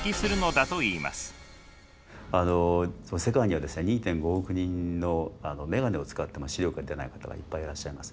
あの世界にはですね２．５億人の眼鏡を使っても視力が出ない方がいっぱいいらっしゃいます。